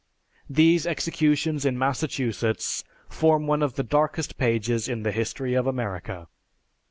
These executions in Massachusetts form one of the darkest pages in the history of America.